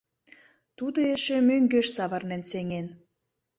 Тудо эше мӧҥгеш савырнен сеҥен.